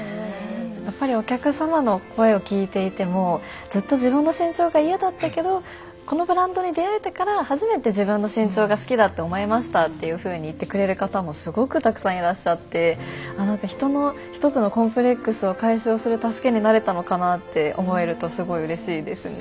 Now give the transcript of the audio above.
やっぱりお客様の声を聞いていてもずっと自分の身長が嫌だったけどこのブランドに出会えてから初めて自分の身長が好きだって思えましたっていうふうに言ってくれる方もすごくたくさんいらっしゃってあ何か人の一つのコンプレックスを解消する助けになれたのかなって思えるとすごいうれしいですね。